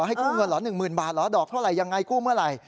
ให้กู้เงินเหรอ๑๐๐๐บาทเหรอดอกเท่าไหร่ยังไงกู้เมื่อไหร่